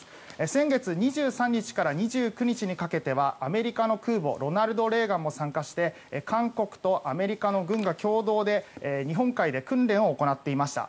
先月２３日から２９日にかけてはアメリカの空母「ロナルド・レーガン」も参加して韓国とアメリカの軍が共同で日本海で訓練を行っていました。